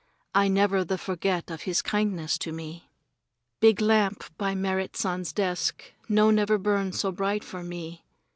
I never the forget of his kindness to me. Big lamp by Merrit San's desk no never burn so bright for me.